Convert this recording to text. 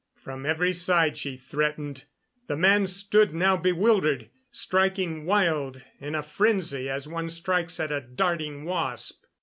From every side she threatened. The man stood now bewildered, striking wild in a frenzy, as one strikes at a darting wasp.